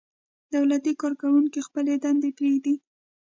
دولتي کارکوونکي خپلې دندې پرېږدي.